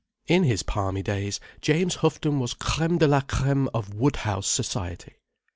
In his palmy days, James Houghton was crême de la crême of Woodhouse society.